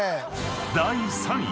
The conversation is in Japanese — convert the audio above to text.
［第３位］